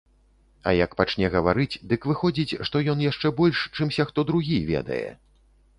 А як пачне гаварыць, дык выходзіць, што ён яшчэ больш, чымся хто другі, ведае.